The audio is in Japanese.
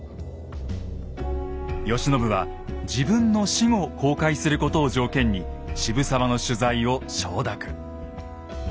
慶喜は自分の死後公開することを条件に渋沢の取材を承諾。